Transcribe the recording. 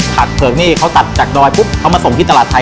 ผัดเผลออัพิกนี้เค้าตัดจากรอยพรุ่งมาส่งที่ตลาดไทย